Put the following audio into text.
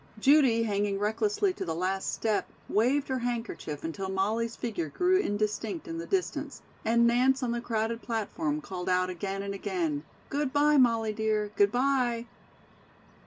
Judy hanging recklessly to the last step, waved her handkerchief until Molly's figure grew indistinct in the distance, and Nance on the crowded platform called out again and again, "Good bye, Molly, dear. Good bye!"